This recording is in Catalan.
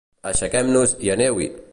Aixequem-nos i aneu-hi!